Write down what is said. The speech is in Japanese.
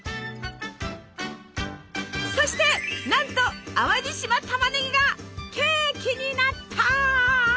そしてなんと淡路島たまねぎがケーキになった！